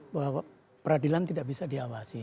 bahwa peradilan tidak bisa diawasi